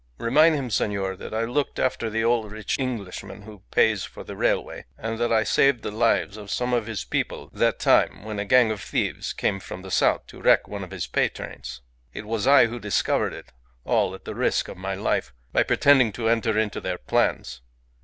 Remind him, senor, that I looked after the old rich Englishman who pays for the railway, and that I saved the lives of some of his people that time when a gang of thieves came from the south to wreck one of his pay trains. It was I who discovered it all at the risk of my life, by pretending to enter into their plans.